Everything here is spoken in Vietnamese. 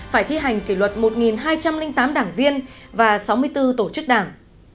phải thi hành kỷ luật một hai trăm linh tám đảng viên và sáu mươi bốn tổ chức đảng